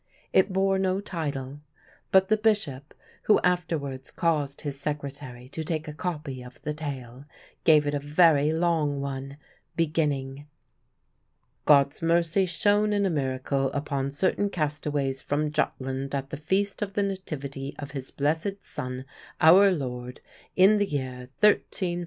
It bore no title; but the Bishop, who afterwards caused his secretary to take a copy of the tale, gave it a very long one, beginning: "God's mercy shown in a Miracle upon certain castaways from Jutland, at the Feast of the Nativity of His Blessed Son, our Lord, in the year MCCCLVII.